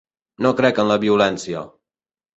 No crec en la violència.